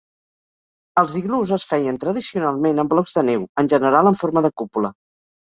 Els iglús es feien, tradicionalment, amb blocs de neu, en general en forma de cúpula.